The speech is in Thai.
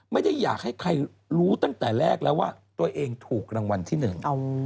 ไม่ได้อยากให้ใครรู้ตั้งแต่แรกแล้วว่าตัวเองถูกรางวัลที่หนึ่ง